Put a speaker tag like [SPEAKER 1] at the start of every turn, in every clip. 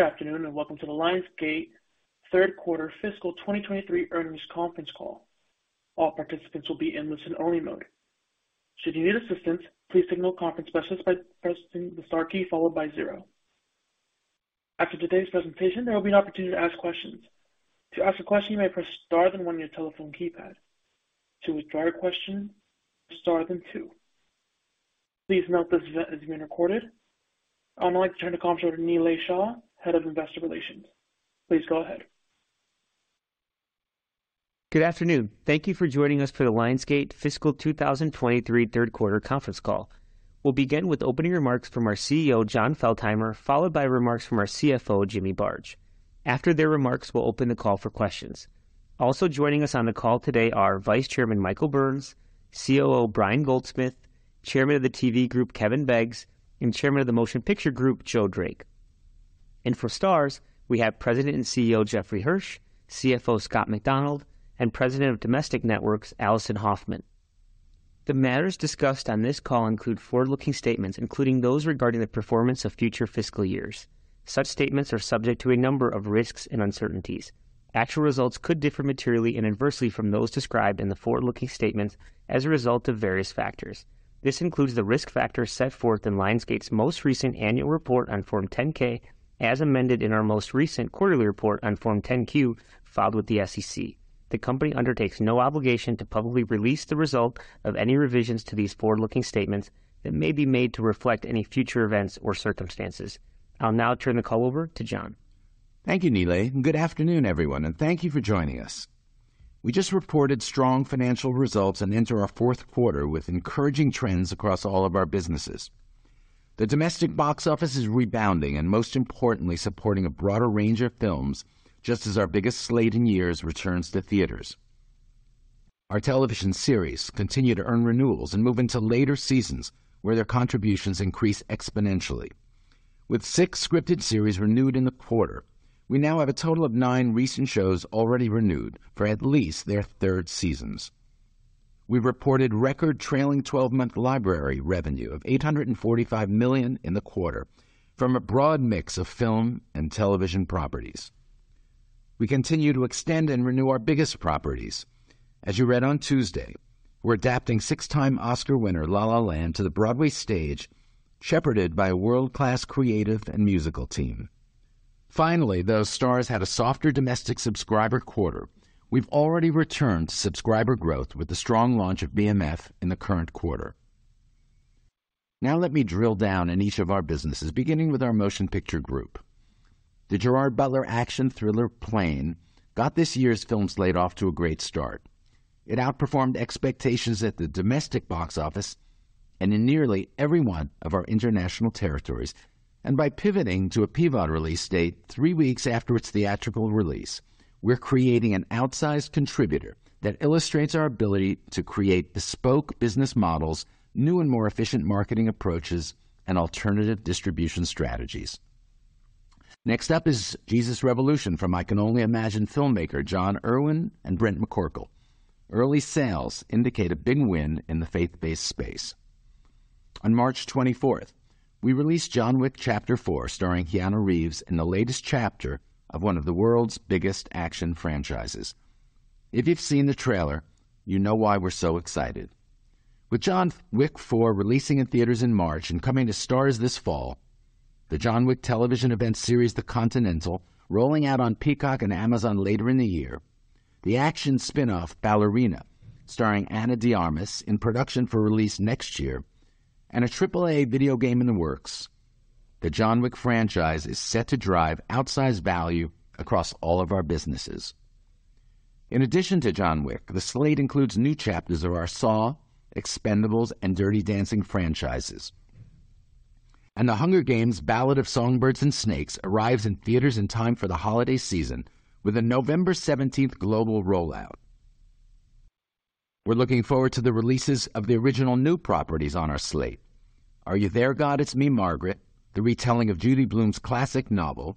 [SPEAKER 1] Good afternoon. Welcome to the Lionsgate third quarter fiscal 2023 earnings conference call. All participants will be in listen-only mode. Should you need assistance, please signal a conference specialist by pressing the star key followed by zero. After today's presentation, there will be an opportunity to ask questions. To ask a question, you may press star then one on your telephone keypad. To withdraw your question, star then two. Please note this event is being recorded. I'd now like to turn the call over to Nilay Shah, Head of Investor Relations. Please go ahead.
[SPEAKER 2] Good afternoon. Thank you for joining us for the Lionsgate fiscal 2023 third quarter conference call. We'll begin with opening remarks from our CEO, Jon Feltheimer, followed by remarks from our CFO, Jimmy Barge. After their remarks, we'll open the call for questions. Also joining us on the call today are Vice Chairman Michael Burns, COO Brian Goldsmith, Chairman of the TV Group Kevin Beggs, and Chairman of the Motion Picture Group Joe Drake. For Starz, we have President and CEO Jeffrey Hirsch, CFO Scott Macdonald, and President of Domestic Networks Alison Hoffman. The matters discussed on this call include forward-looking statements, including those regarding the performance of future fiscal years. Such statements are subject to a number of risks and uncertainties. Actual results could differ materially and adversely from those described in the forward-looking statements as a result of various factors. This includes the risk factors set forth in Lionsgate's most recent annual report on Form 10-K, as amended in our most recent quarterly report on Form 10-Q filed with the SEC. The company undertakes no obligation to publicly release the result of any revisions to these forward-looking statements that may be made to reflect any future events or circumstances. I'll now turn the call over to Jon.
[SPEAKER 3] Thank you, Nilay. Good afternoon, everyone, thank you for joining us. We just reported strong financial results, enter our fourth quarter with encouraging trends across all of our businesses. The domestic box office is rebounding, most importantly, supporting a broader range of films just as our biggest slate in years returns to theaters. Our television series continue to earn renewals and move into later seasons where their contributions increase exponentially. With six scripted series renewed in the quarter, we now have a total of nine recent shows already renewed for at least their third seasons. We've reported record trailing twelve-month library revenue of $845 million in the quarter from a broad mix of film and television properties. We continue to extend and renew our biggest properties. As you read on Tuesday, we're adapting six-time Oscar winner La La Land to the Broadway stage, shepherded by a world-class creative and musical team. Finally, though Starz had a softer domestic subscriber quarter, we've already returned to subscriber growth with the strong launch of BMF in the current quarter. Now let me drill down in each of our businesses, beginning with our Motion Picture Group. The Gerard Butler action thriller Plane got this year's film slate off to a great start. It outperformed expectations at the domestic box office and in nearly every one of our international territories. By pivoting to a PVOD release date three weeks after its theatrical release, we're creating an outsized contributor that illustrates our ability to create bespoke business models, new and more efficient marketing approaches, and alternative distribution strategies. Next up is Jesus Revolution from I Can Only Imagine filmmaker Jon Erwin and Brent McCorkle. Early sales indicate a big win in the faith-based space. On March 24, we release John Wick: Chapter 4, starring Keanu Reeves in the latest chapter of one of the world's biggest action franchises. If you've seen the trailer, you know why we're so excited. With John Wick 4 releasing in theaters in March and coming to Starz this fall, the John Wick television event series The Continental rolling out on Peacock and Amazon later in the year, the action spin-off Ballerina starring Ana de Armas in production for release next year, and a AAA video game in the works, the John Wick franchise is set to drive outsized value across all of our businesses. In addition to John Wick, the slate includes new chapters of our Saw, Expendables, and Dirty Dancing franchises. The Hunger Games: The Ballad of Songbirds & Snakes arrives in theaters in time for the holiday season with a November 17th global rollout. We're looking forward to the releases of the original new properties on our slate. Are You There God? It's Me, Margaret, the retelling of Judy Blume's classic novel.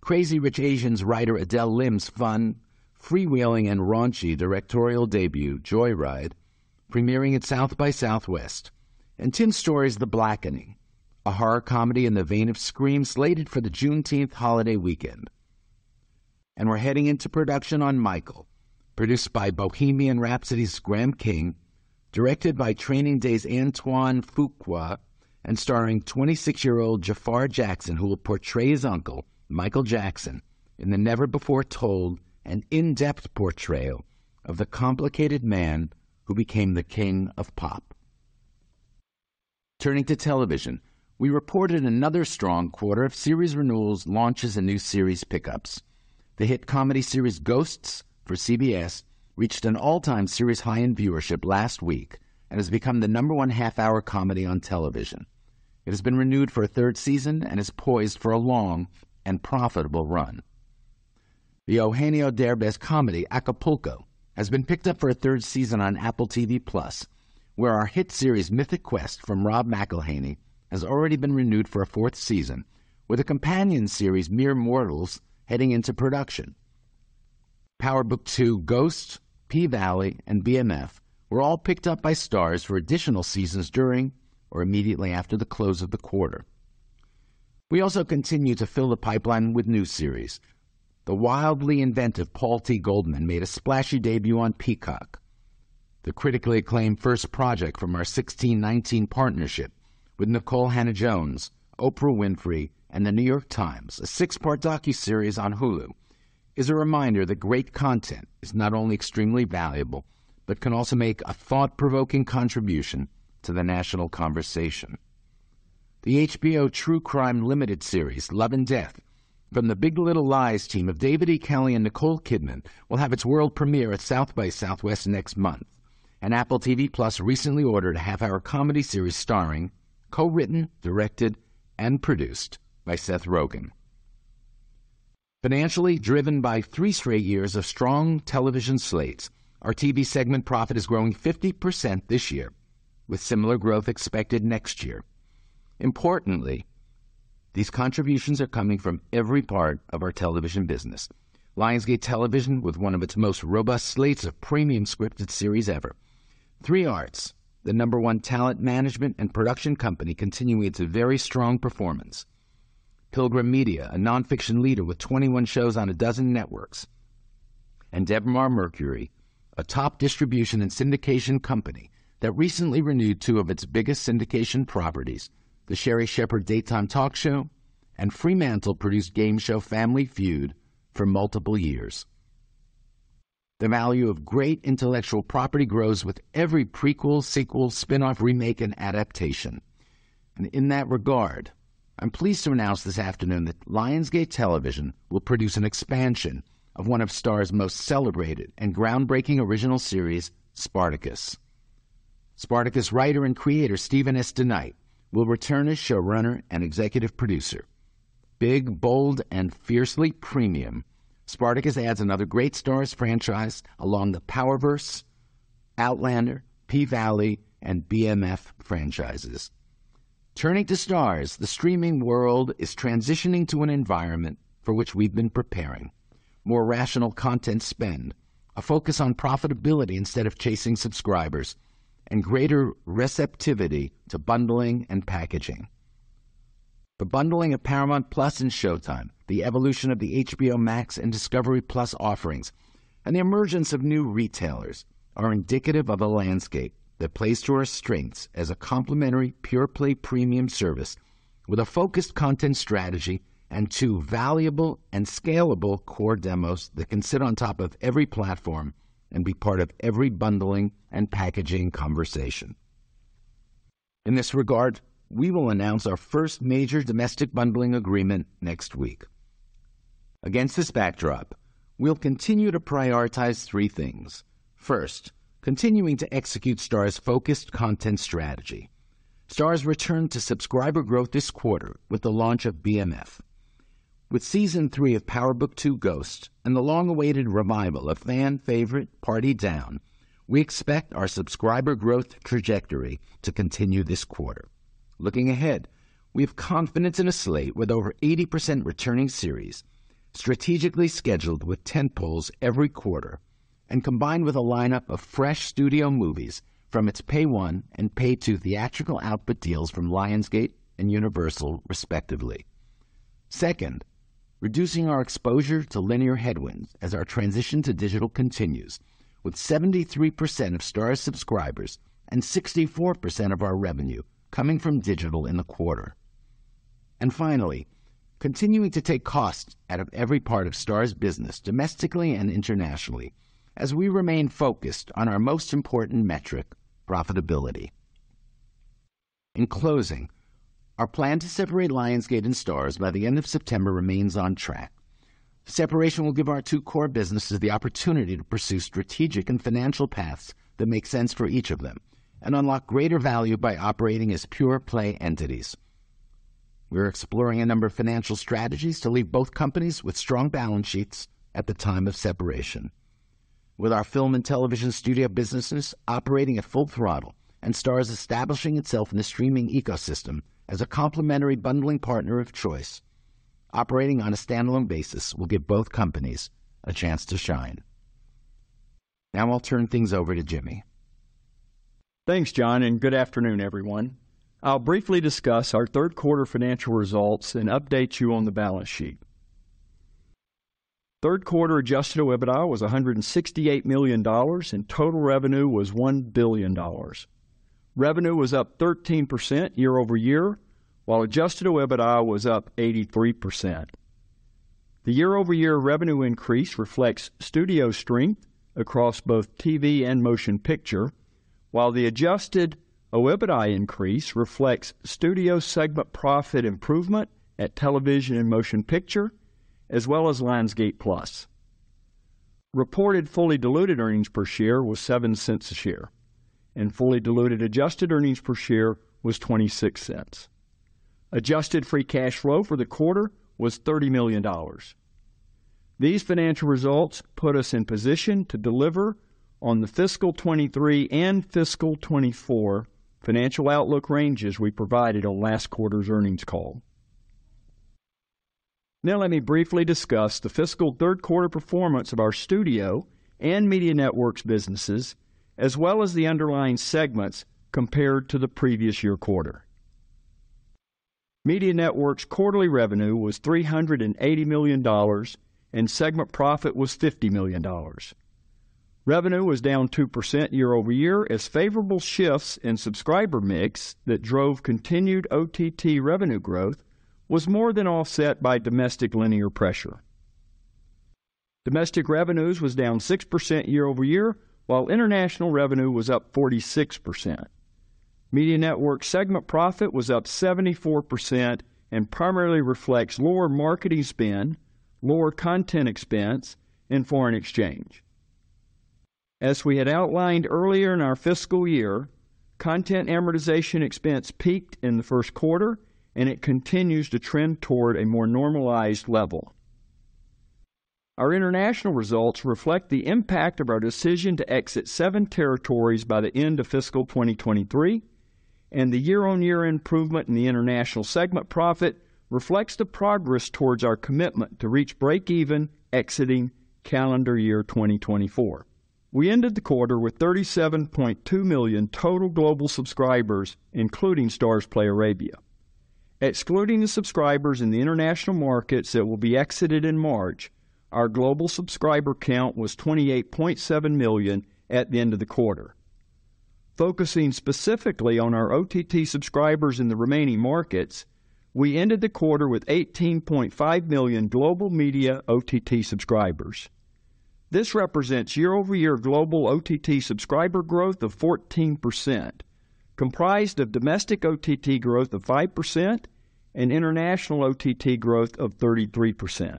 [SPEAKER 3] Crazy Rich Asians writer Adele Lim's fun, freewheeling, and raunchy directorial debut, Joy Ride, premiering at South by Southwest. Tim Story's The Blackening, a horror comedy in the vein of Scream, slated for the Juneteenth holiday weekend. We're heading into production on Michael, produced by Bohemian Rhapsody's Graham King, directed by Training Day's Antoine Fuqua, and starring 26-year-old Jaafar Jackson, who will portray his uncle, Michael Jackson, in the never-before-told and in-depth portrayal of the complicated man who became the King of Pop. Turning to television, we reported another strong quarter of series renewals, launches, and new series pickups. The hit comedy series Ghosts for CBS reached an all-time series high in viewership last week and has become the number one half-hour comedy on television. It has been renewed for a third season and is poised for a long and profitable run. The Eugenio Derbez comedy Acapulco has been picked up for a third season on Apple TV+, where our hit series Mythic Quest from Rob McElhenney has already been renewed for a fourth season, with a companion series Mere Mortals heading into production. Power Book II: Ghost, P-Valley, and BMF were all picked up by Starz for additional seasons during or immediately after the close of the quarter. We also continue to fill the pipeline with new series. The wildly inventive Paul T. Goldman made a splashy debut on Peacock. The critically acclaimed first project from our 1619 Project partnership with Nikole Hannah-Jones, Oprah Winfrey, and The New York Times, a six-part docuseries on Hulu, is a reminder that great content is not only extremely valuable but can also make a thought-provoking contribution to the national conversation. The HBO Max True Crime limited series Love & Death from the Big Little Lies team of David E. Kelley and Nicole Kidman will have its world premiere at South by Southwest next month. Apple TV+ recently ordered a half-hour comedy series starring, co-written, directed, and produced by Seth Rogen. Financially driven by three straight years of strong television slates, our TV segment profit is growing 50% this year, with similar growth expected next year. Importantly, these contributions are coming from every part of our television business. Lionsgate Television with one of its most robust slates of premium scripted series ever. 3 Arts, the number one talent management and production company, continuing its very strong performance. Pilgrim Media, a nonfiction leader with 21 shows on 12 networks. Debmar-Mercury, a top distribution and syndication company that recently renewed 2 of its biggest syndication properties, The Sherri Shepherd Daytime Talk Show and Fremantle-produced game show Family Feud for multiple years. The value of great intellectual property grows with every prequel, sequel, spin-off, remake, and adaptation. In that regard, I'm pleased to announce this afternoon that Lionsgate Television will produce an expansion of one of Starz' most celebrated and groundbreaking original series, Spartacus. Spartacus writer and creator Steven S. DeKnight will return as showrunner and executive producer. Big, bold, and fiercely premium, Spartacus adds another great Starz franchise along the Power Universe, Outlander, P-Valley, and BMF franchises. Turning to Starz, the streaming world is transitioning to an environment for which we've been preparing. More rational content spend, a focus on profitability instead of chasing subscribers, and greater receptivity to bundling and packaging. The bundling of Paramount+ and SHOWTIME, the evolution of the HBO Max and discovery+ offerings, and the emergence of new retailers are indicative of a landscape that plays to our strengths as a complementary pure-play premium service with a focused content strategy and two valuable and scalable core demos that can sit on top of every platform and be part of every bundling and packaging conversation. In this regard, we will announce our first major domestic bundling agreement next week. Against this backdrop, we'll continue to prioritize three things. First, continuing to execute Starz' focused content strategy. Starz returned to subscriber growth this quarter with the launch of BMF. With Season 3 of Power Book II: Ghost and the long-awaited revival of fan favorite Party Down, we expect our subscriber growth trajectory to continue this quarter. Looking ahead, we have confidence in a slate with over 80% returning series strategically scheduled with tentpoles every quarter and combined with a lineup of fresh studio movies from its Pay-1 and Pay-2 theatrical output deals from Lionsgate and Universal, respectively. Second, reducing our exposure to linear headwinds as our transition to digital continues, with 73% of Starz subscribers and 64% of our revenue coming from digital in the quarter. Finally, continuing to take costs out of every part of Starz' business domestically and internationally as we remain focused on our most important metric, profitability. In closing, our plan to separate Lionsgate and Starz by the end of September remains on track. Separation will give our two core businesses the opportunity to pursue strategic and financial paths that make sense for each of them and unlock greater value by operating as pure-play entities. We're exploring a number of financial strategies to leave both companies with strong balance sheets at the time of separation. With our film and television studio businesses operating at full throttle and Starz establishing itself in the streaming ecosystem as a complementary bundling partner of choice, operating on a standalone basis will give both companies a chance to shine. I'll turn things over to Jimmy.
[SPEAKER 4] Thanks, Jon. Good afternoon, everyone. I'll briefly discuss our third quarter financial results and update you on the balance sheet. Third quarter Adjusted OIBDA was $168 million. Total revenue was $1 billion. Revenue was up 13% year-over-year, while Adjusted OIBDA was up 83%. The year-over-year revenue increase reflects studio strength across both TV and motion picture, while the Adjusted OIBDA increase reflects studio segment profit improvement at television and motion picture as well as Lionsgate+. Reported fully diluted earnings per share was $0.07 a share. Fully diluted adjusted earnings per share was $0.26. Adjusted free cash flow for the quarter was $30 million. These financial results put us in position to deliver on the fiscal 23 and fiscal 24 financial outlook ranges we provided on last quarter's earnings call. Let me briefly discuss the fiscal 3rd quarter performance of our Studio and Media Networks businesses, as well as the underlying segments compared to the previous year quarter. Media Networks quarterly revenue was $380 million and segment profit was $50 million. Revenue was down 2% year-over-year as favorable shifts in subscriber mix that drove continued OTT revenue growth was more than offset by domestic linear pressure. Domestic revenues was down 6% year-over-year, while international revenue was up 46%. Media Networks segment profit was up 74% and primarily reflects lower marketing spend, lower content expense, and foreign exchange. As we had outlined earlier in our fiscal year, content amortization expense peaked in the first quarter, and it continues to trend toward a more normalized level. Our international results reflect the impact of our decision to exit seven territories by the end of fiscal 2023, and the year-on-year improvement in the international segment profit reflects the progress towards our commitment to reach breakeven exiting calendar year 2024. We ended the quarter with 37.2 million total global subscribers, including Starzplay Arabia. Excluding the subscribers in the international markets that will be exited in March, our global subscriber count was 28.7 million at the end of the quarter. Focusing specifically on our OTT subscribers in the remaining markets, we ended the quarter with 18.5 million global media OTT subscribers. This represents year-over-year global OTT subscriber growth of 14%, comprised of domestic OTT growth of 5% and international OTT growth of 33%.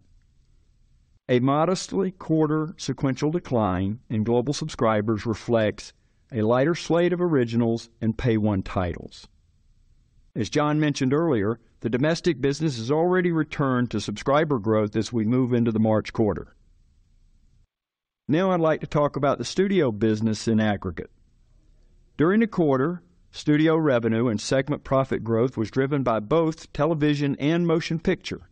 [SPEAKER 4] A modestly quarter sequential decline in global subscribers reflects a lighter slate of originals and Pay-1 titles. As Jon mentioned earlier, the domestic business has already returned to subscriber growth as we move into the March quarter. I'd like to talk about the Studio business in aggregate. During the quarter, Studio revenue and segment profit growth was driven by both television and motion picture.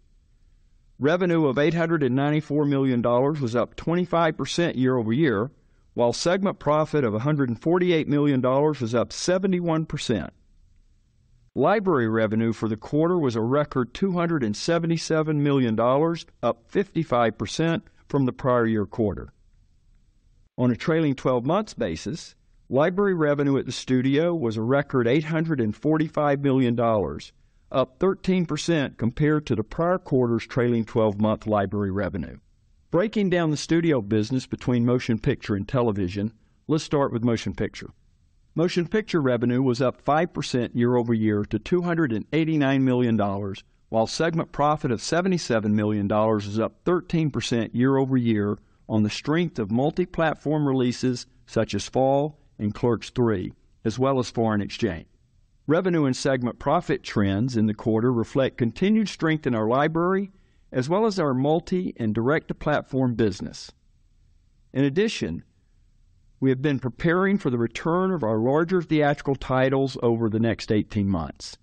[SPEAKER 4] Revenue of $894 million was up 25% year-over-year, while segment profit of $148 million was up 71%. Library revenue for the quarter was a record $277 million, up 55% from the prior year quarter. On a trailing 12 months basis, library revenue at the Studio was a record $845 million, up 13% compared to the prior quarter's trailing 12-month library revenue. Breaking down the Studio business between motion picture and television, let's start with motion picture. Motion picture revenue was up 5% year-over-year to $289 million, while segment profit of $77 million is up 13% year-over-year on the strength of multi-platform releases such as Fall and Clerks III, as well as foreign exchange. Revenue and segment profit trends in the quarter reflect continued strength in our library, as well as our multi and direct-to-platform business. We have been preparing for the return of our larger theatrical titles over the next 18 months.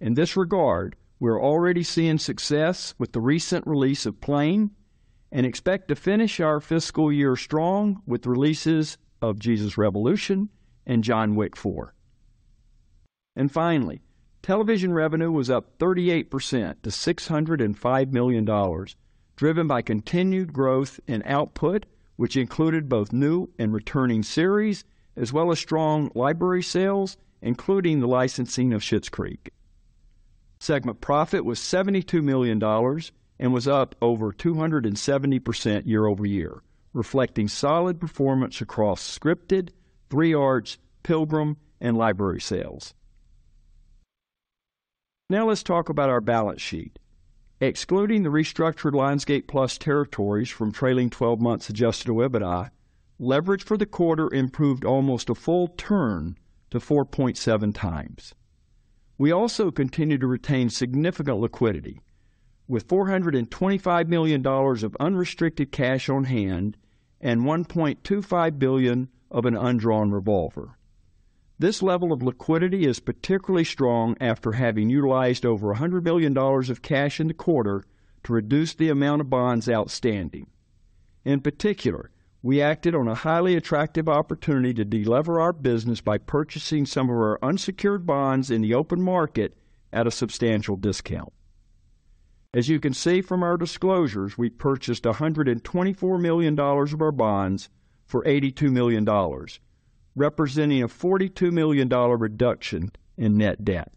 [SPEAKER 4] In this regard, we are already seeing success with the recent release of Plane and expect to finish our fiscal year strong with releases of Jesus Revolution and John Wick 4. Finally, television revenue was up 38% to $605 million, driven by continued growth in output, which included both new and returning series, as well as strong library sales, including the licensing of Schitt's Creek. Segment profit was $72 million and was up over 270% year-over-year, reflecting solid performance across Scripted, 3Arts, Pilgrim, and library sales. Now let's talk about our balance sheet. Excluding the restructured Lionsgate+ territories from trailing 12 months Adjusted OIBDAI, leverage for the quarter improved almost a full turn to 4.7 times. We also continue to retain significant liquidity with $425 million of unrestricted cash on hand and $1.25 billion of an undrawn revolver. This level of liquidity is particularly strong after having utilized over $100 billion of cash in the quarter to reduce the amount of bonds outstanding. In particular, we acted on a highly attractive opportunity to delever our business by purchasing some of our unsecured bonds in the open market at a substantial discount. As you can see from our disclosures, we purchased $124 million of our bonds for $82 million, representing a $42 million reduction in net debt.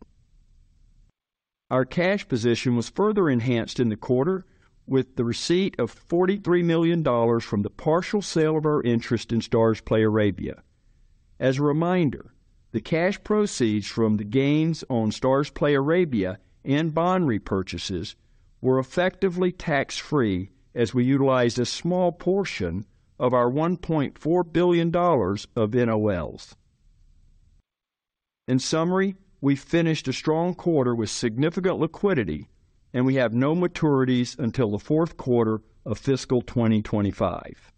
[SPEAKER 4] Our cash position was further enhanced in the quarter with the receipt of $43 million from the partial sale of our interest in Starzplay Arabia. As a reminder, the cash proceeds from the gains on Starzplay Arabia and bond repurchases were effectively tax-free as we utilized a small portion of our $1.4 billion of NOLs. In summary, we finished a strong quarter with significant liquidity, and we have no maturities until the fourth quarter of fiscal 2025.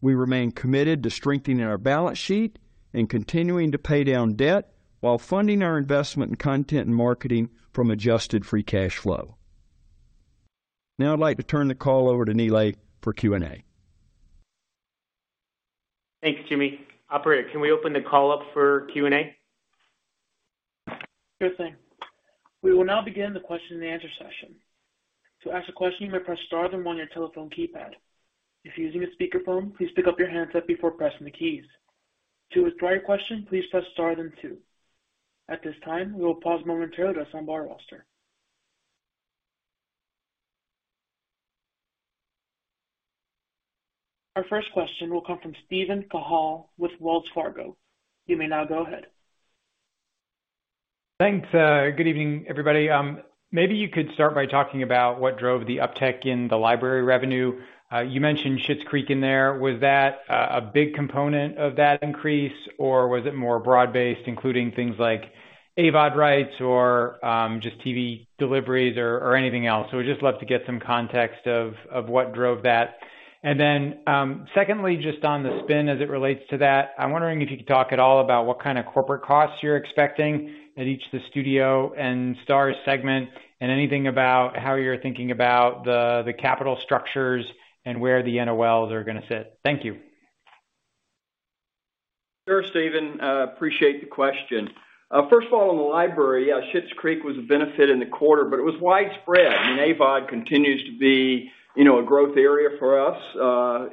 [SPEAKER 4] We remain committed to strengthening our balance sheet and continuing to pay down debt while funding our investment in content and marketing from adjusted free cash flow. Now I'd like to turn the call over to Nilay for Q&A.
[SPEAKER 2] Thanks, Jimmy. Operator, can we open the call up for Q&A?
[SPEAKER 1] Sure thing. We will now begin the question and answer session. To ask a question, you may press star then one on your telephone keypad. If you're using a speakerphone, please pick up your handset before pressing the keys. To withdraw your question, please press star then two. At this time, we will pause momentarily to assemble our roster. Our first question will come from Steven Cahall with Wells Fargo. You may now go ahead.
[SPEAKER 5] Thanks. Good evening, everybody. Maybe you could start by talking about what drove the uptick in the library revenue. You mentioned Schitt's Creek in there. Was that a big component of that increase, or was it more broad-based, including things like AVOD rights or just TV deliveries or anything else? We'd just love to get some context of what drove that. Secondly, just on the spin as it relates to that, I'm wondering if you could talk at all about what kind of corporate costs you're expecting at each of the studio and Starz segment, and anything about how you're thinking about the capital structures and where the NOLs are gonna sit. Thank you.
[SPEAKER 4] Sure, Steven, appreciate the question. First of all, in the library, Schitt's Creek was a benefit in the quarter, but it was widespread. I mean, AVOD continues to be, you know, a growth area for us,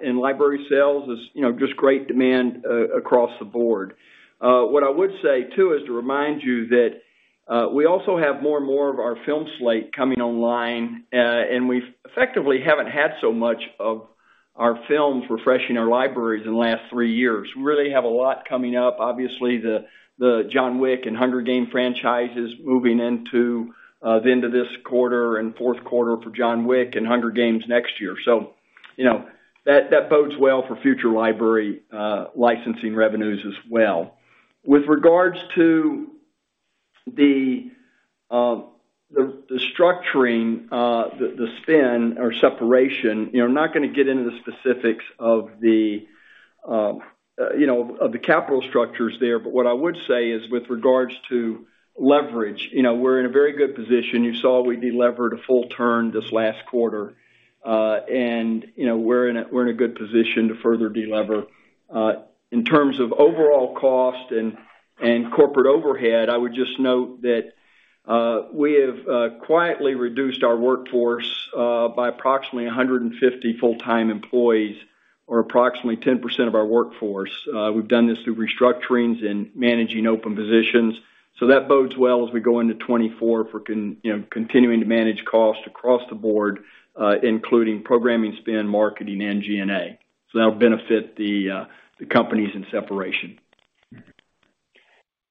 [SPEAKER 4] and library sales is, you know, just great demand across the board. What I would say, too, is to remind you that we also have more and more of our film slate coming online, and we effectively haven't had so much of our films refreshing our libraries in the last three years. We really have a lot coming up. Obviously, the John Wick and Hunger Games franchises moving into the end of this quarter and fourth quarter for John Wick and Hunger Games next year. You know, that bodes well for future library licensing revenues as well. With regards to the structuring, the spin or separation, you know, I'm not gonna get into the specifics of the, you know, of the capital structures there, but what I would say is with regards to leverage, you know, we're in a very good position. You saw we de-levered a full turn this last quarter, and, you know, we're in a good position to further de-lever. In terms of overall cost and corporate overhead, I would just note that we have quietly reduced our workforce by approximately 150 full-time employees, or approximately 10% of our workforce. We've done this through restructurings and managing open positions. That bodes well as we go into 2024 for you know, continuing to manage costs across the board, including programming spin, marketing and G&A. That'll benefit the companies in separation.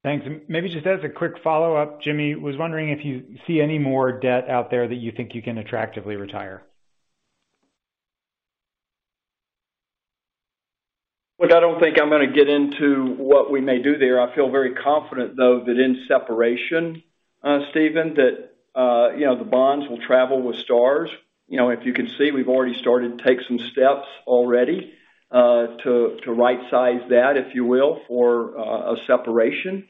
[SPEAKER 5] Thanks. Maybe just as a quick follow-up, Jimmy, was wondering if you see any more debt out there that you think you can attractively retire?
[SPEAKER 4] Look, I don't think I'm gonna get into what we may do there. I feel very confident, though, that in separation, Stephen, that, you know, the bonds will travel with Starz. You know, if you can see, we've already started to take some steps already, to right-size that, if you will, for a separation.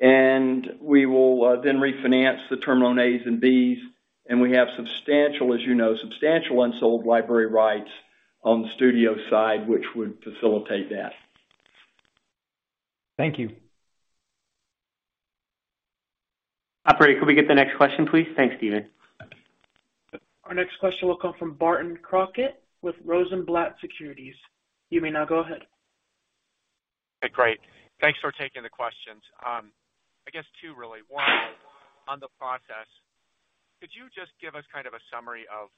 [SPEAKER 4] We will then refinance the terminal As and Bs, and we have substantial, as you know, substantial unsold library rights on the studio side, which would facilitate that.
[SPEAKER 5] Thank you.
[SPEAKER 2] Operator, could we get the next question, please? Thanks, Stephen.
[SPEAKER 1] Our next question will come from Barton Crockett with Rosenblatt Securities. You may now go ahead.
[SPEAKER 6] Hey, great. Thanks for taking the questions. I guess two really. One, on the process, could you just give us kind of a summary of,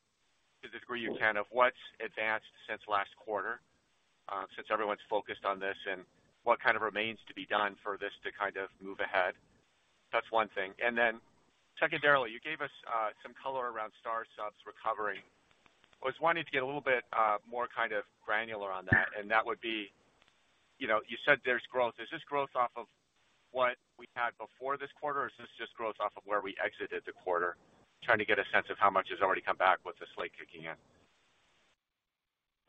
[SPEAKER 6] to the degree you can, of what's advanced since last quarter, since everyone's focused on this, and what kind of remains to be done for this to kind of move ahead? That's one thing. Secondarily, you gave us, some color around Starz subs recovering. I was wanting to get a little bit, more kind of granular on that, and that would be, you know, you said there's growth. Is this growth off of what we had before this quarter, or is this just growth off of where we exited the quarter? Trying to get a sense of how much has already come back with the slate kicking in.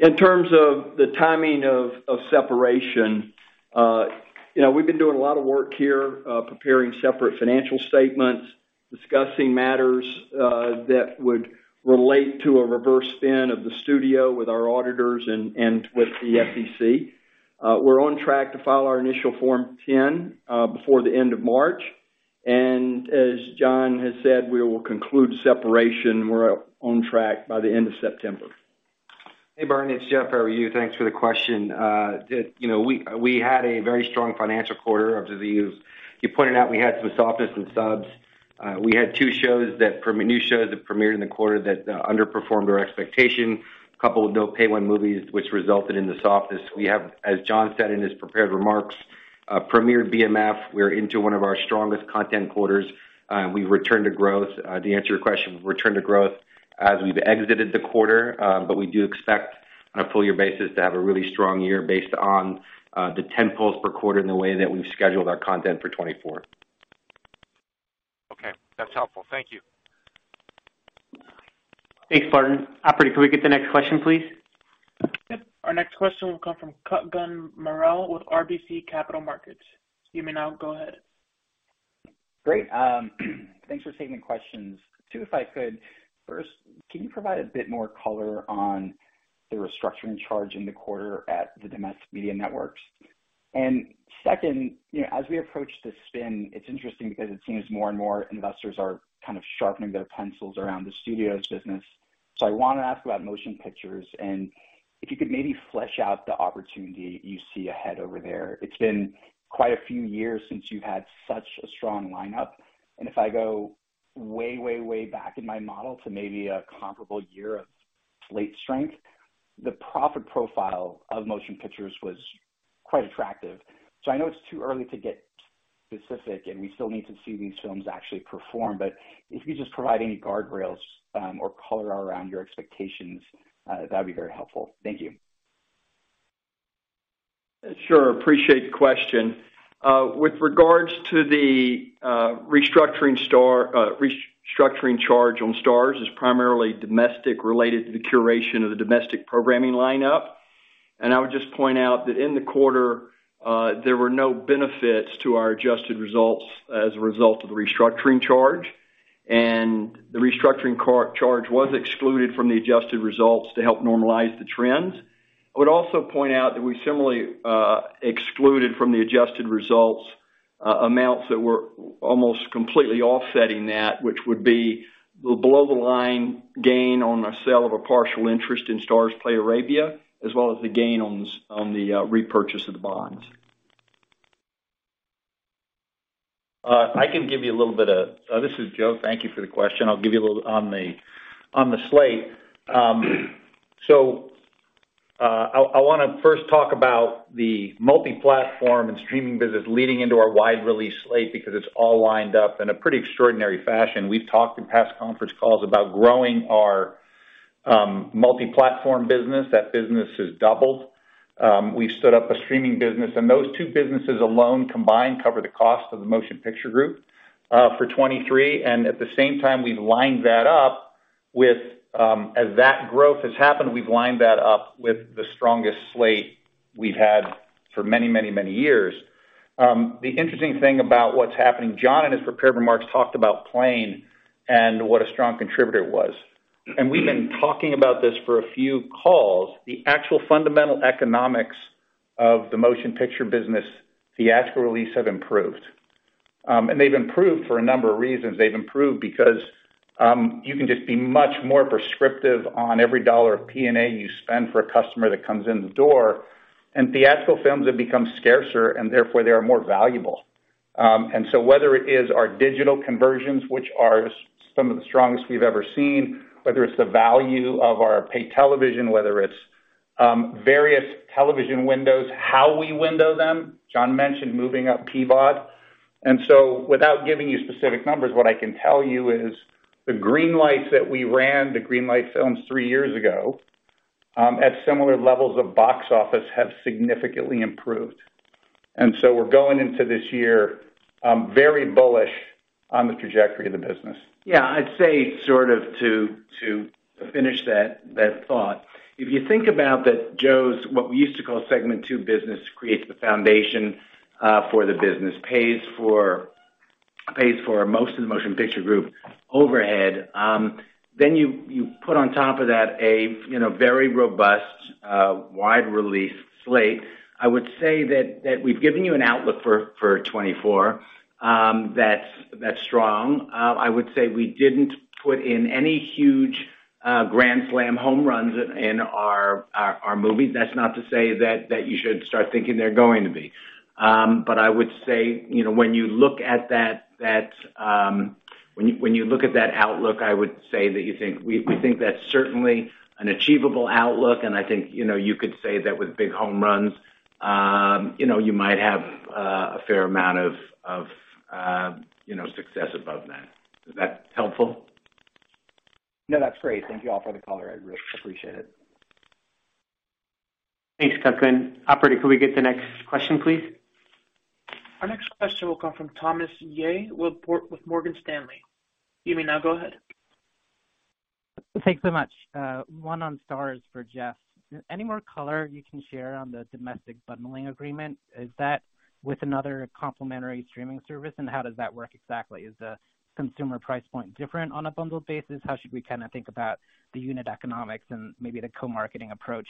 [SPEAKER 4] In terms of the timing of separation, you know, we've been doing a lot of work here, preparing separate financial statements, discussing matters that would relate to a reverse spin of the studio with our auditors and with the SEC. We're on track to file our initial Form 10 before the end of March. As Jon has said, we will conclude separation. We're on track by the end of September.
[SPEAKER 7] Hey, Barton, it's Jeff. How are you? Thanks for the question. You know, we had a very strong financial quarter. You pointed out we had some softness in subs. We had two new shows that premiered in the quarter that underperformed our expectation. A couple of no Pay-1 movies, which resulted in the softness. We have, as Jon said in his prepared remarks, premiered BMF. We're into one of our strongest content quarters. We've returned to growth. To answer your question, we've returned to growth as we've exited the quarter. We do expect on a full year basis to have a really strong year based on the tentpoles per quarter and the way that we've scheduled our content for 2024.
[SPEAKER 6] That's helpful. Thank you.
[SPEAKER 2] Thanks, Barton. Operator, can we get the next question, please?
[SPEAKER 1] Yep. Our next question will come from Kutgun Maral with RBC Capital Markets. You may now go ahead.
[SPEAKER 8] Great. Thanks for taking the questions. Two if I could. First, can you provide a bit more color on the restructuring charge in the quarter at the domestic media networks? Second, you know, as we approach the spin, it's interesting because it seems more and more investors are kind of sharpening their pencils around the studios business. I wanna ask about motion pictures and if you could maybe flesh out the opportunity you see ahead over there. It's been quite a few years since you had such a strong lineup. If I go way, way back in my model to maybe a comparable year of late strength, the profit profile of motion pictures was quite attractive. I know it's too early to get specific, and we still need to see these films actually perform. If you just provide any guardrails, or color around your expectations, that'd be very helpful. Thank you.
[SPEAKER 9] Sure. Appreciate the question. With regards to the restructuring charge on Starz is primarily domestic related to the curation of the domestic programming lineup. I would just point out that in the quarter, there were no benefits to our adjusted results as a result of the restructuring charge. The restructuring charge was excluded from the adjusted results to help normalize the trends. I would also point out that we similarly excluded from the adjusted results, amounts that were almost completely offsetting that, which would be below the line gain on a sale of a partial interest in Starzplay Arabia, as well as the gain on the repurchase of the bonds.
[SPEAKER 10] I can give you a little bit of. This is Joe. Thank you for the question. I'll give you a little on the slate. I'll, I wanna first talk about the multi-platform and streaming business leading into our wide release slate because it's all lined up in a pretty extraordinary fashion. We've talked in past conference calls about growing our multi-platform business. That business has doubled. We've stood up a streaming business, and those two businesses alone combined cover the cost of the Motion Picture Group for 2023. At the same time, we've lined that up with, as that growth has happened, we've lined that up with the strongest slate we've had for many, many, many years. The interesting thing about what's happening, John, in his prepared remarks, talked about Plane and what a strong contributor it was. We've been talking about this for a few calls. The actual fundamental economics of the motion picture business theatrical release have improved. They've improved for a number of reasons. They've improved because you can just be much more prescriptive on every dollar of P&A you spend for a customer that comes in the door. Theatrical films have become scarcer, and therefore they are more valuable. Whether it is our digital conversions, which are some of the strongest we've ever seen, whether it's the value of our paid television, whether it's various television windows, how we window them. John mentioned moving up PVOD. Without giving you specific numbers, what I can tell you is the green lights that we ran, the green light films three years ago, at similar levels of box office have significantly improved. We're going into this year very bullish on the trajectory of the business. Yeah. I'd say sort of to finish that thought. If you think about that Joe's, what we used to call segment two business, creates the foundation for the business, pays for most of the Motion Picture Group overhead. You put on top of that a, you know, very robust wide release slate. I would say that we've given you an outlook for 2024 that's strong. I would say we didn't put in any huge grand slam home runs in our movies. That's not to say that you should start thinking they're going to be. I would say, you know, when you look at that outlook, I would say that. We think that's certainly an achievable outlook, and I think, you know, you could say that with big home runs, you know, you might have a fair amount of, you know, success above that. Is that helpful?
[SPEAKER 8] No, that's great. Thank you all for the color. I really appreciate it.
[SPEAKER 2] Thanks, Kutgun. Operator, could we get the next question, please?
[SPEAKER 1] Our next question will come from Thomas Yeh with Morgan Stanley. You may now go ahead.
[SPEAKER 11] Thanks so much. one on Starz for Jeff. Any more color you can share on the domestic bundling agreement? Is that with another complimentary streaming service, and how does that work exactly? Is the consumer price point different on a bundled basis? How should we kinda think about the unit economics and maybe the co-marketing approach?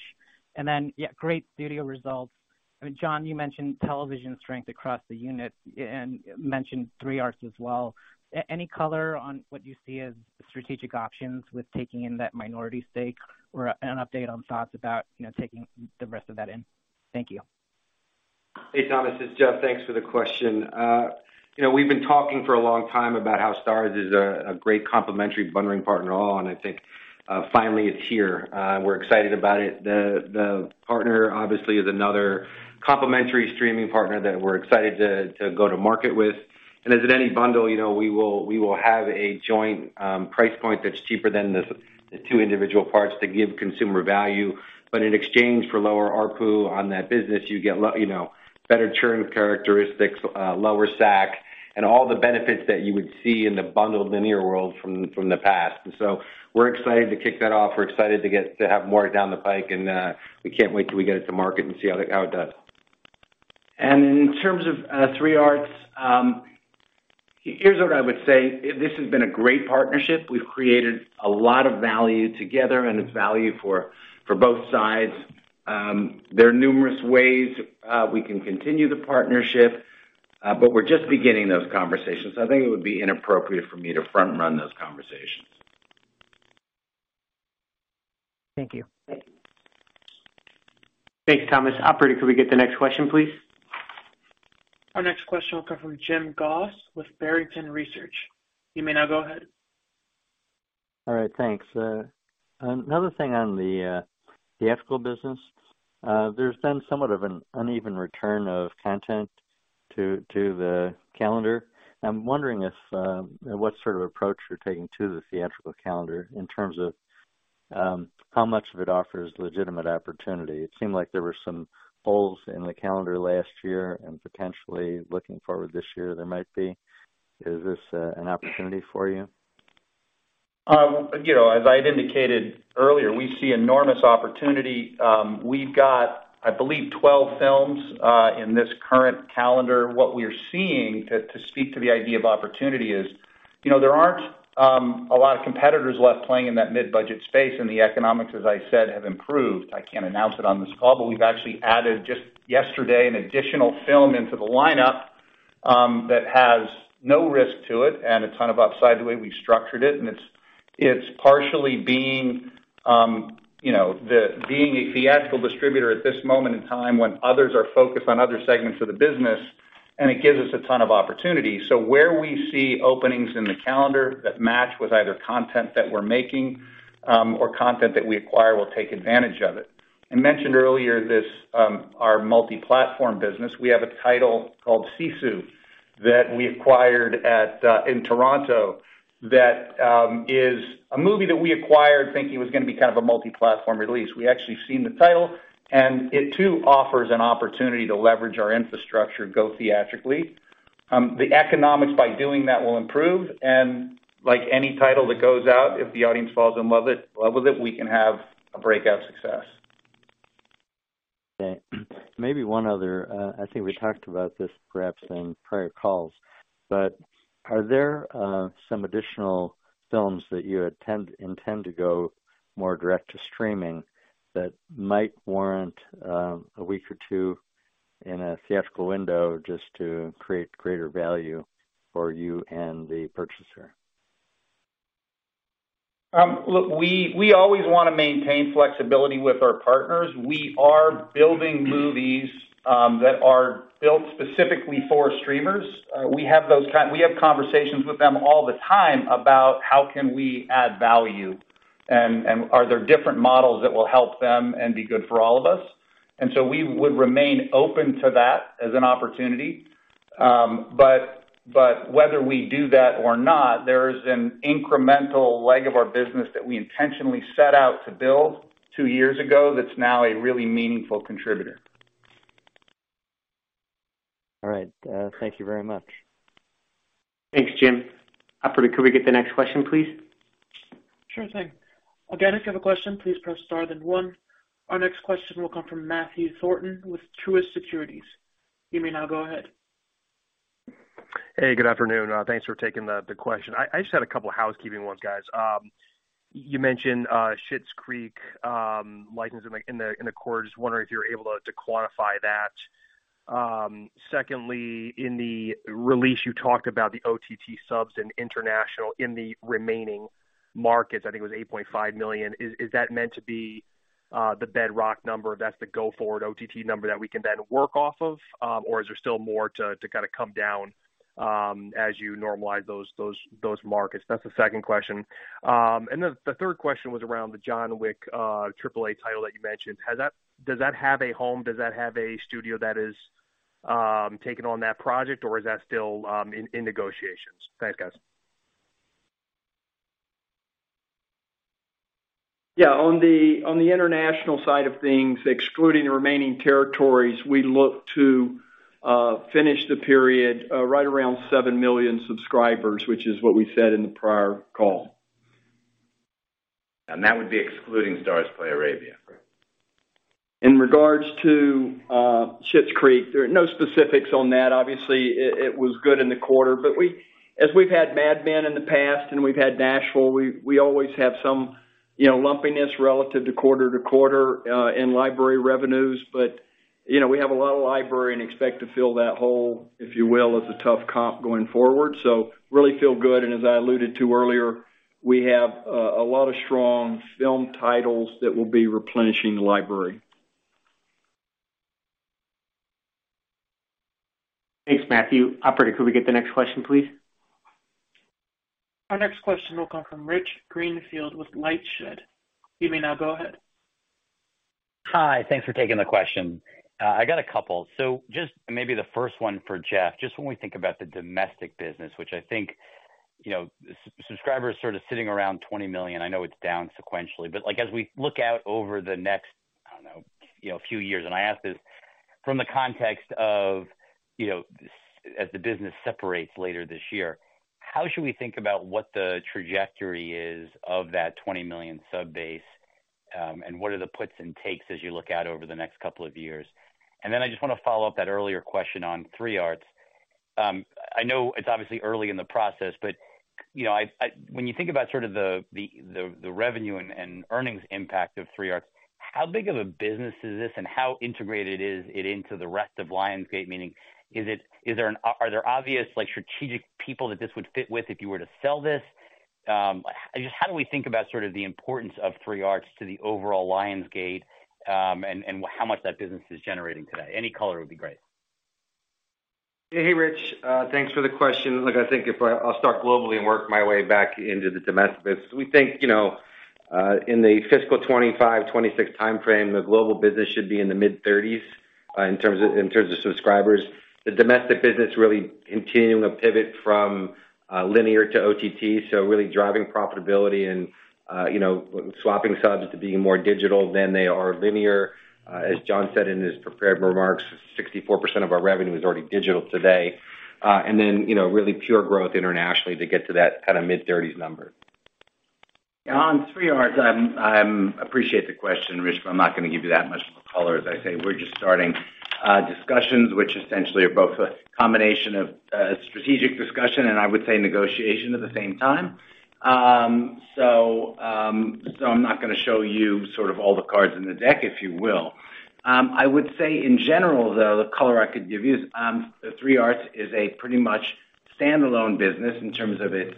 [SPEAKER 11] great studio results. I mean, John, you mentioned television strength across the unit and mentioned 3Arts as well. Any color on what you see as strategic options with taking in that minority stake or an update on thoughts about, you know, taking the rest of that in? Thank you.
[SPEAKER 7] Hey, Thomas, it's Jeff. Thanks for the question. You know, we've been talking for a long time about how Starz is a great complimentary bundling partner on, I think, finally it's here. We're excited about it. The partner obviously is another complimentary streaming partner that we're excited to go to market with. As in any bundle, you know, we will have a joint price point that's cheaper than the two individual parts to give consumer value. In exchange for lower ARPU on that business, you get you know, better churn characteristics, lower SAC, and all the benefits that you would see in the bundled linear world from the past. We're excited to kick that off. We're excited to get to have more down the pike, and we can't wait till we get it to market and see how it does. In terms of 3Arts, here's what I would say. This has been a great partnership. We've created a lot of value together, and it's value for both sides. There are numerous ways we can continue the partnership, but we're just beginning those conversations. I think it would be inappropriate for me to front-run those conversations.
[SPEAKER 11] Thank you.
[SPEAKER 2] Thanks, Thomas. Operator, could we get the next question, please?
[SPEAKER 1] Our next question will come from Jim Goss with Barrington Research. You may now go ahead.
[SPEAKER 12] All right. Thanks. another thing on the theatrical business. there's been somewhat of an uneven return of content to the calendar. I'm wondering if, what sort of approach you're taking to the theatrical calendar in terms of, how much of it offers legitimate opportunity. It seemed like there were some holes in the calendar last year and potentially looking forward this year, there might be. Is this, an opportunity for you?
[SPEAKER 10] You know, as I had indicated earlier, we see enormous opportunity. We've got, I believe, 12 films in this current calendar. What we're seeing, to speak to the idea of opportunity is, you know, there aren't a lot of competitors left playing in that mid-budget space, and the economics, as I said, have improved. I can't announce it on this call, but we've actually added just yesterday an additional film into the lineup that has no risk to it and a ton of upside the way we've structured it. It's, it's partially being, you know, being a theatrical distributor at this moment in time when others are focused on other segments of the business, and it gives us a ton of opportunity. Where we see openings in the calendar that match with either content that we're making, or content that we acquire, we'll take advantage of it. I mentioned earlier this, our multi-platform business. We have a title called Sisu that we acquired at in Toronto that is a movie that we acquired thinking was gonna be kind of a multi-platform release. We actually seen the title, and it too offers an opportunity to leverage our infrastructure go theatrically. The economics by doing that will improve. Like any title that goes out, if the audience falls in love with it, we can have a breakout success.
[SPEAKER 12] Okay. Maybe one other. I think we talked about this perhaps in prior calls. Are there some additional films that you intend to go more direct to streaming that might warrant a week or two in a theatrical window just to create greater value for you and the purchaser?
[SPEAKER 10] Look, we always wanna maintain flexibility with our partners. We are building movies that are built specifically for streamers. We have conversations with them all the time about how can we add value and are there different models that will help them and be good for all of us. We would remain open to that as an opportunity. Whether we do that or not, there is an incremental leg of our business that we intentionally set out to build two years ago that's now a really meaningful contributor.
[SPEAKER 12] All right. Thank you very much.
[SPEAKER 2] Thanks, Jim. Operator, could we get the next question, please?
[SPEAKER 1] Sure thing. Again, if you have a question, please press star then one. Our next question will come from Matthew Thornton with Truist Securities. You may now go ahead.
[SPEAKER 13] Hey, good afternoon. Thanks for taking the question. I just had a couple of housekeeping ones, guys. You mentioned Schitt's Creek licensing in the quarter. Just wondering if you're able to quantify that. Secondly, in the release, you talked about the OTT subs and international in the remaining markets, I think it was 8.5 million. Is that meant to be the bedrock number? That's the go forward OTT number that we can then work off of? Or is there still more to kinda come down as you normalize those markets? That's the second question. And then the third question was around the John Wick AAA title that you mentioned. Does that have a home? Does that have a studio that has taken on that project, or is that still in negotiations? Thanks, guys.
[SPEAKER 10] Yeah. On the international side of things, excluding the remaining territories, we look to finish the period right around seven million subscribers, which is what we said in the prior call.
[SPEAKER 3] That would be excluding Starzplay Arabia.
[SPEAKER 10] In regards to Schitt's Creek, there are no specifics on that. Obviously, it was good in the quarter. As we've had Mad Men in the past and we've had Nashville, we always have some, you know, lumpiness relative to quarter to quarter in library revenues. You know, we have a lot of library and expect to fill that hole, if you will, as a tough comp going forward. Really feel good. As I alluded to earlier, we have a lot of strong film titles that will be replenishing the library.
[SPEAKER 2] Thanks, Matthew. Operator, could we get the next question, please?
[SPEAKER 1] Our next question will come from Rich Greenfield with LightShed. You may now go ahead.
[SPEAKER 14] Hi. Thanks for taking the question. I got a couple. Just maybe the first one for Jeff. Just when we think about the domestic business, which I think, you know, subscribers sort of sitting around 20 million, I know it's down sequentially. Like, as we look out over the next, I don't know, you know, few years, and I ask this from the context of. You know, as the business separates later this year, how should we think about what the trajectory is of that 20 million sub-base, and what are the puts and takes as you look out over the next couple of years? Then I just wanna follow up that earlier question on 3 Arts. I know it's obviously early in the process, but, you know, when you think about sort of the revenue and earnings impact of 3 Arts, how big of a business is this and how integrated is it into the rest of Lionsgate? Meaning, are there obvious, like, strategic people that this would fit with if you were to sell this? How do we think about sort of the importance of 3 Arts to the overall Lionsgate, and how much that business is generating today? Any color would be great.
[SPEAKER 15] Yeah. Hey, Rich. Thanks for the question. Look, I'll start globally and work my way back into the domestic biz. We think, you know, in the fiscal 2025, 2026 timeframe, the global business should be in the mid-thirties, in terms of subscribers. The domestic business really continuing to pivot from, linear to OTT, so really driving profitability and, you know, swapping subs to being more digital than they are linear. As John said in his prepared remarks, 64% of our revenue is already digital today. you know, really pure growth internationally to get to that kinda mid-thirties number. Yeah. On 3 Arts, appreciate the question, Rich, I'm not gonna give you that much of a color. As I say, we're just starting discussions which essentially are both a combination of strategic discussion and I would say negotiation at the same time. I'm not gonna show you sort of all the cards in the deck, if you will. I would say in general, though, the color I could give you is, the 3 Arts is a pretty much standalone business in terms of its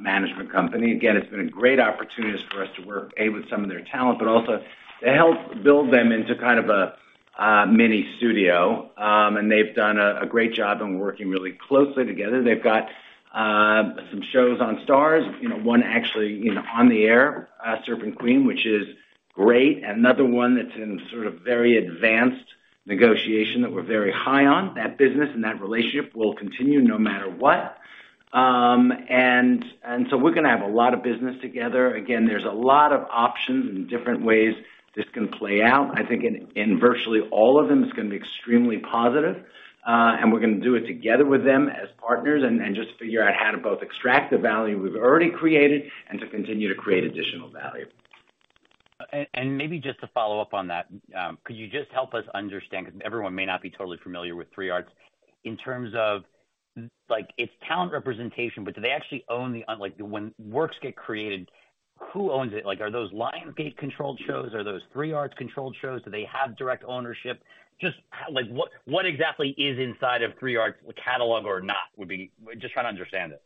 [SPEAKER 15] management company. Again, it's been a great opportunity for us to work, A, with some of their talent, also to help build them into kind of a mini studio. They've done a great job and we're working really closely together. They've got some shows on Starz, you know, one actually, you know, on the air, Serpent Queen, which is great. Another one that's in sort of very advanced negotiation that we're very high on. That business and that relationship will continue no matter what. We're gonna have a lot of business together. Again, there's a lot of options and different ways this can play out. I think in virtually all of them it's gonna be extremely positive, and we're gonna do it together with them as partners and just figure out how to both extract the value we've already created and to continue to create additional value.
[SPEAKER 14] Maybe just to follow up on that, could you just help us understand, 'cause everyone may not be totally familiar with 3 Arts? In terms of, like, it's talent representation, but do they actually own when works get created, who owns it? Like, are those Lionsgate-controlled shows? Are those 3 Arts-controlled shows? Do they have direct ownership? Just like what exactly is inside a 3 Arts catalog or not would be. We're just trying to understand it.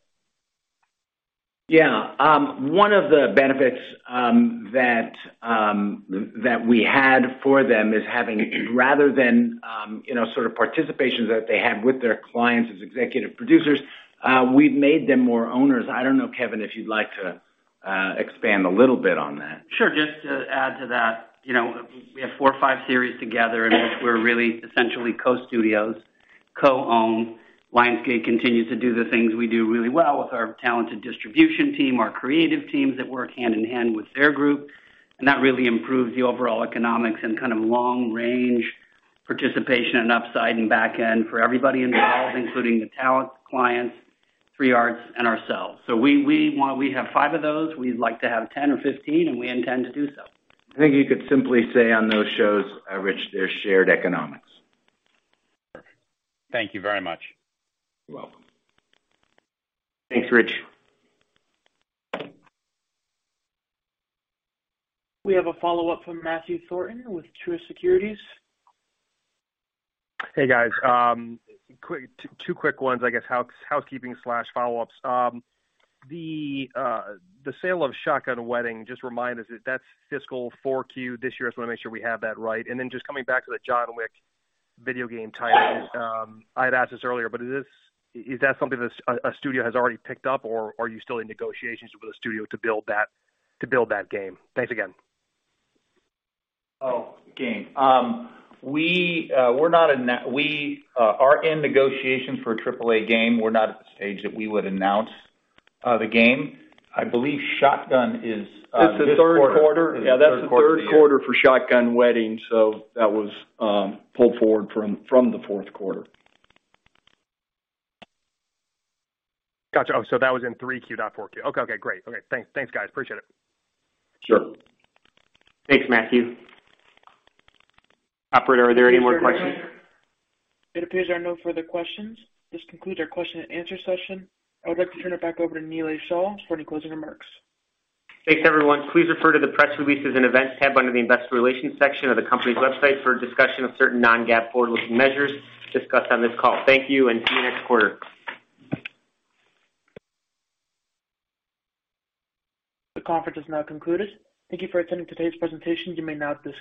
[SPEAKER 15] One of the benefits that we had for them is having rather than, you know, sort of participation that they have with their clients as executive producers, we've made them more owners. I don't know, Kevin, if you'd like to expand a little bit on that.
[SPEAKER 16] Sure. Just to add to that, you know, we have four or five series together in which we're really essentially co-studios, co-own. Lionsgate continues to do the things we do really well with our talented distribution team, our creative teams that work hand in hand with their group. That really improves the overall economics and kind of long range participation and upside and back end for everybody involved, including the talent, clients, 3 Arts, and ourselves. We have five of those. We'd like to have 10 or 15, and we intend to do so.
[SPEAKER 15] I think you could simply say on those shows, Rich, they're shared economics.
[SPEAKER 14] Thank you very much.
[SPEAKER 15] You're welcome.
[SPEAKER 2] Thanks, Rich.
[SPEAKER 1] We have a follow-up from Matthew Thornton with Truist Securities.
[SPEAKER 13] Hey, guys. two quick ones, I guess, housekeeping/follow-ups. The sale of Shotgun Wedding, just remind us if that's fiscal 4Q this year. I just wanna make sure we have that right. Just coming back to the John Wick video game title. I had asked this earlier, but is that something that a studio has already picked up or are you still in negotiations with a studio to build that game? Thanks again.
[SPEAKER 15] Game. We're not in that. We are in negotiations for a AAA game. We're not at the stage that we would announce the game. I believe Shotgun is.
[SPEAKER 2] It's the third quarter.
[SPEAKER 15] Third quarter.
[SPEAKER 2] Yeah, that's the third quarter for Shotgun Wedding, that was pulled forward from the fourth quarter.
[SPEAKER 13] Gotcha. Oh, that was in three Q, not four Q. Okay. Okay, great. Okay, thanks. Thanks, guys. Appreciate it.
[SPEAKER 15] Sure.
[SPEAKER 2] Thanks, Matthew. Operator, are there any more questions?
[SPEAKER 1] It appears there are no further questions. This concludes our question and answer session. I would like to turn it back over to Nilay Shah for any closing remarks.
[SPEAKER 2] Thanks, everyone. Please refer to the press releases and events tab under the investor relations section of the company's website for a discussion of certain non-GAAP forward-looking measures discussed on this call. Thank you, and see you next quarter.
[SPEAKER 1] The conference has now concluded. Thank you for attending today's presentation. You may now disconnect.